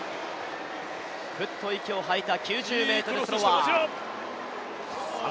ふっと息を吐いた９０ｍスローワー。